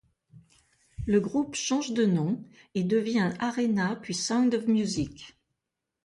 Le groupe change de nom et devient Arena puis Sound Of Music.